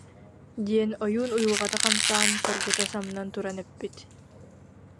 диэн ойуун уйулҕата хамсаан, соргута самнан туран эппит